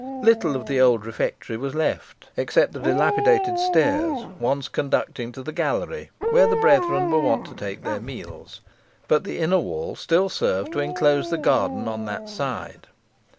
Little of the old refectory was left, except the dilapidated stairs once conducting to the gallery where the brethren were wont to take their meals, but the inner wall still served to enclose the garden on that side.